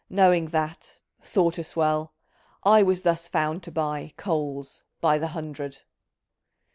Knowing that (thought a " swell ") I was thus found to buy Coals by the " hundred